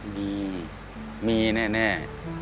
มีมีแน่